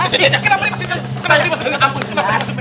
keluarin dari kantong saya cepetan